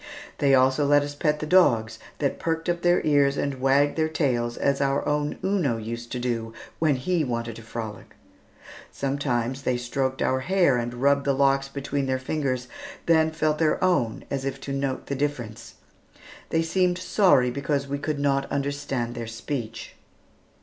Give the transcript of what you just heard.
They also let us pet the dogs that perked up their ears and wagged their tails as our own Uno used to do when he wanted to frolic. Sometimes they stroked our hair and rubbed the locks between their fingers, then felt their own as if to note the difference. They seemed sorry because we could not understand their speech.